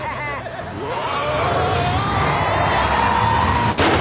うわ！